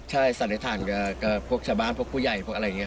ใช่เช่นแห่งพวกชาวบ้านพวกผู้ใหญ่